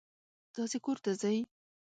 تاسې کور ته ځئ.